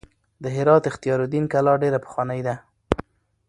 د هرات اختیار الدین کلا ډېره پخوانۍ ده.